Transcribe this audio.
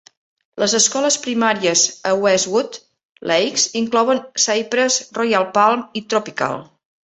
Les escoles primàries a Westwood Lakes inclouen Cypress, Royal Palm i Tropical.